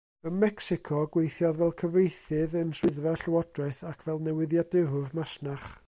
Ym Mecsico, gweithiodd fel cyfieithydd yn swyddfa'r llywodraeth ac fel newyddiadurwr masnach.